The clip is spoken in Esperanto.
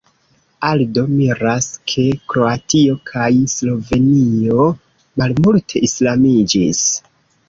Aldo miras, ke Kroatio kaj Slovenio malmulte islamiĝis.